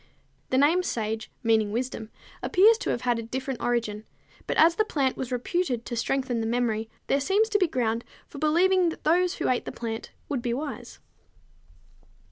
The name sage, meaning wisdom, appears to have had a different origin, but as the plant was reputed to strengthen the memory, there seems to be ground for believing that those who ate the plant would be wise.